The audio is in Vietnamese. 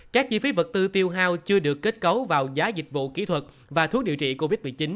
các chi phí vật tư tiêu hao chưa được kết cấu vào giá dịch vụ kỹ thuật và thuốc điều trị covid một mươi chín